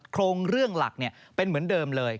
โครงเรื่องหลักเป็นเหมือนเดิมเลย